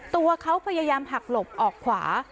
ตัวเขาพยายามหักหลบออกขวา